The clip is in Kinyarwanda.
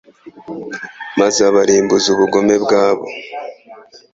maze abarimbuza ubugome bwabo